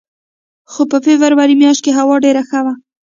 خو په فبروري میاشت کې هوا ډېره ښه وه.